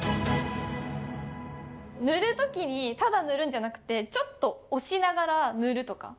塗るときにただ塗るんじゃなくてちょっと押しながら塗るとか？